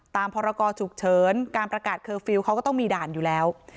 พรกรฉุกเฉินการประกาศเคอร์ฟิลล์เขาก็ต้องมีด่านอยู่แล้ว